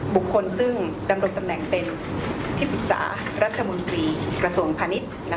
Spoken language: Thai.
บุคคลซึ่งดำรงตำแหน่งเป็นที่ปรึกษารัฐมนตรีกระทรวงพาณิชย์